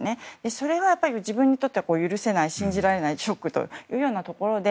それは自分にとっては許せない、信じられないショックというようなところで。